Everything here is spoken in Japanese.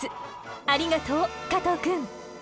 ありがとう加藤くん。